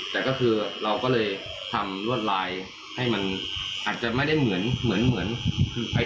แต่ก็คือเราก็เลยทำรวดลายให้มันอาจจะไม่ได้เหมือนเหมือนคือไป